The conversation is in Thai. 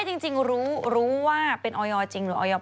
พี่ชอบแซงไหลทางอะเนาะ